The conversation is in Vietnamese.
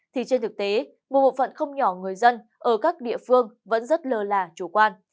thì trên thực tế một bộ phận không nhỏ người dân ở các địa phương vẫn rất lơ là chủ quan